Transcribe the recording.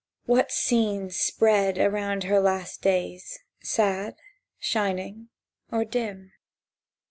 What scenes spread around her last days, Sad, shining, or dim?